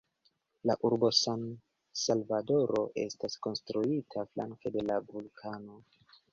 La urbo San-Salvadoro estas konstruita flanke de la vulkano.